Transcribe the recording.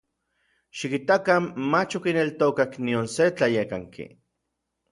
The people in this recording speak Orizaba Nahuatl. Xikitakan mach okineltokak nion se tlayekanki.